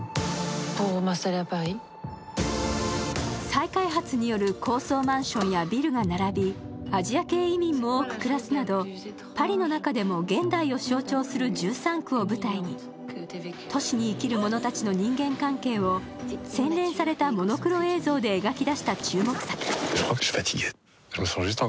再開発による高層マンションやビルが並びアジア系移民も多く暮らすなど現代を象徴する１３区を舞台に、都市に生きる者たちの人間関係を洗練されたモノクロ映像で描き出した注目作。